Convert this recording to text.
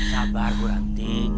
sabar bu ranti